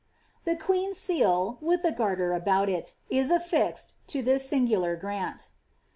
The queen's seal, wiih the Garter about it, is alTixed to thia aingular grant.